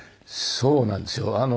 そうなんですよ。